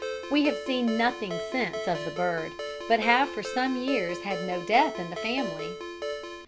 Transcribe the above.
We have seen nothing since of the bird, but have for some years had no death in the family."